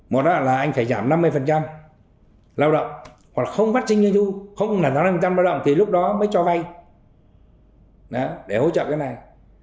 một đó là anh phải giảm năm mươi lao động hoặc là không phát sinh doanh du không là năm mươi lao động thì lúc đó mới cho vay để hỗ trợ cái này